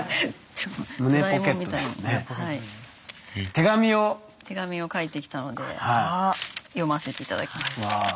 手紙を書いてきたので読ませて頂きます。